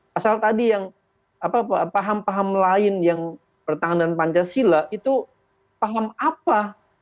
pasal tadi yang paham paham lain yang pertahanan pancasila itu paham apa